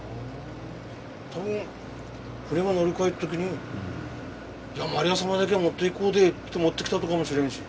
多分船ば乗り換えっ時に「いやマリア様だけは持っていこうで」って持ってきたとかもしれんし。